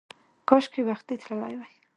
کاشکې وختي تللی وای!